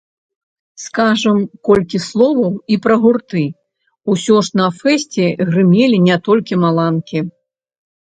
Скажам колькі словаў і пра гурты, усё ж на фэсце грымелі не толькі маланкі.